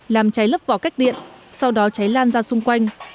làm cháy lấp vỏ cách điện sau đó cháy lan ra xung quanh